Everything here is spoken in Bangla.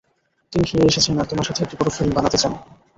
তিনি ফিরে এসেছেন, আর তোমার সাথে একটি বড় ফিল্ম বানাতে চান।